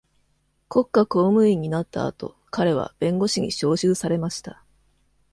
国家公務員になった後、彼は弁護士に召集されました。